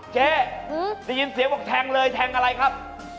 เจ๊ได้ยินเสียงบอกแทงเลยแทงอะไรครับ